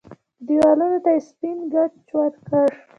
دېوالونو ته يې سپين ګچ ورکړ.